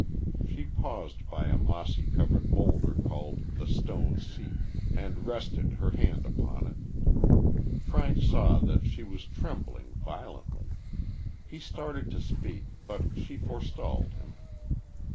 She paused by a mossy covered bowlder called the "stone seat," and rested her hand upon it. Frank saw that she was trembling violently. He started to speak, but she forestalled him.